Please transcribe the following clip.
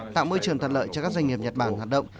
tạo môi trường thuận lợi cho các doanh nghiệp nhật bản hoạt động